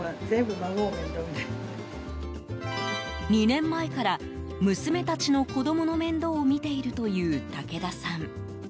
２年前から娘たちの子供の面倒を見ているという武田さん。